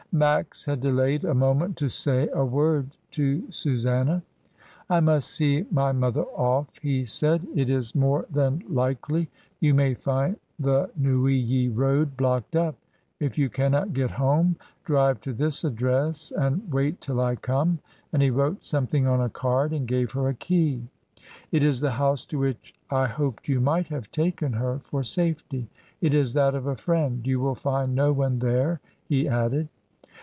Max had delayed a moment to say a word to Susanna. "I must see my mother off," he said. "It is FUNERALIA. 249 more than likely you may find the Neuilly road blocked up; if you cannot get home, drive to this address, and wait till I come," and he wrote some thing on a card and gave her a key. "It is the house to which I hoped you might have taken her for safety, it is that of a friend; you will find no one there," he added.